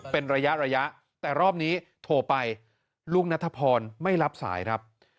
เป็นระยะระยะแต่รอบนี้โทรไปลุงนัทพรไม่รับสายครับ